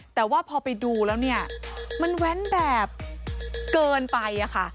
แต่ว่าพอไปดูแล้วเนี่ยมันแว้นแบบเกินไปอะค่ะ